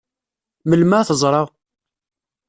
Melmi ad t-ẓṛeɣ?